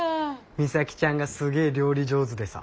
美咲ちゃんがすげえ料理上手でさ。